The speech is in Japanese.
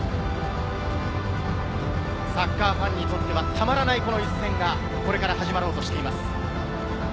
サッカーファンにとっては、たまらない一戦がこれから始まろうとしています。